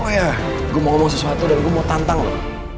oh ya gue mau ngomong sesuatu dan gue mau tantang loh